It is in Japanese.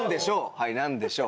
はい何でしょう？